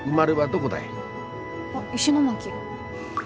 あっ石巻。